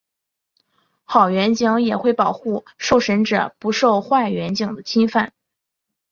好员警也会保护受审者不受坏员警的侵犯。